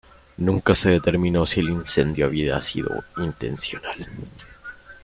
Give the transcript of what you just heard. Nunca se determinó si el incendio había sido intencional.